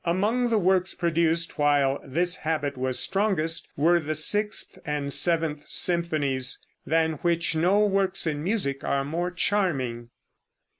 Among the works produced while this habit was strongest were the sixth and seventh symphonies, than which no works in music are more charming.